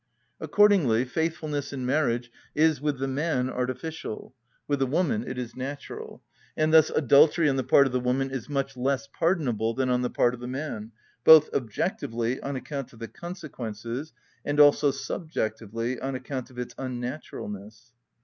Accordingly faithfulness in marriage is with the man artificial, with the woman it is natural, and thus adultery on the part of the woman is much less pardonable than on the part of the man, both objectively on account of the consequences and also subjectively on account of its unnaturalness.